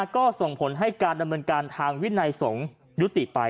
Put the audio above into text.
ก็ส่งผลให้การดำเนินการทางวินัยสงฆ์ยุติไป